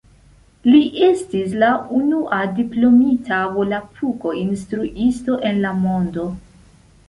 Li estis la unua diplomita volapuko-instruisto en la mondo.